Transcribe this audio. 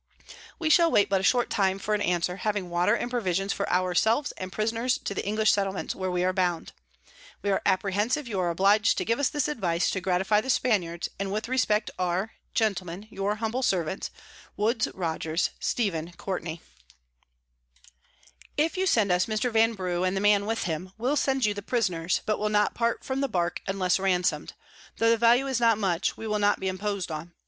We shall wait but a short time for an Answer, having Water and Provisions for our selves and Prisoners to the English Settlements, where we are bound. We are apprehensive you are oblig'd to give us this Advice to gratify the Spaniards; and with Respect are, Gentlemen, Your Humble Servants, Woodes Rogers, Stephen Courtney. [Sidenote: Amongst the Canary Isles.] 'If you send us Mr. Vanbrugh, and the Man with him, we'll send you the Prisoners; but we'll not part from the Bark, unless ransom'd: tho the Value is not much, we will not be impos'd on.